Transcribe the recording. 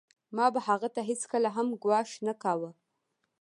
ما به هغه ته هېڅکله هم ګواښ نه کاوه